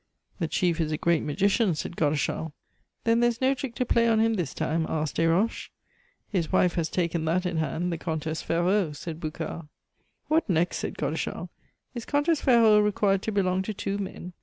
"The chief is a great magician," said Godeschal. "Then there is no trick to play on him this time?" asked Desroches. "His wife has taken that in hand, the Comtesse Ferraud," said Boucard. "What next?" said Godeschal. "Is Comtesse Ferraud required to belong to two men?"